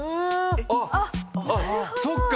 あっあっそっか。